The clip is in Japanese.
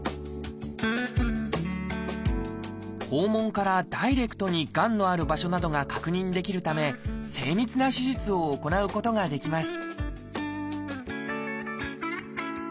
肛門からダイレクトにがんのある場所などが確認できるため精密な手術を行うことができます